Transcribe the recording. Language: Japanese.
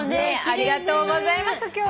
ありがとうございます。